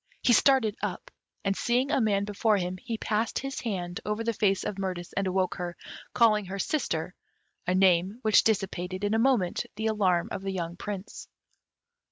He started up, and, seeing a man before him, he passed his hand over the face of Mirtis, and awoke her, calling her "sister," a name which dissipated in a moment the alarm of the young Prince.